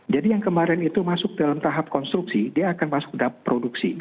jadi yang kemarin itu masuk dalam tahap konstruksi dia akan masuk ke tahap produksi